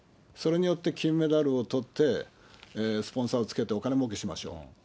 それによって金メダルをとって、スポンサーをつけてお金もうけしましょうと。